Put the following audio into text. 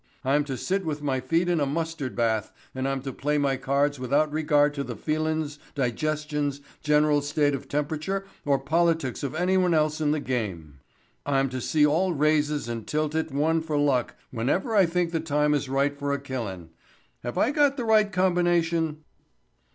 "I'm to sit with my feet in a mustard bath and I'm to play my cards without regard to the feelin's, digestions, general state of temperature or politics of anyone else in the game. I'm to see all raises and tilt it one for luck whenever I think the time is ripe for a killin'. Have I got the right combination?"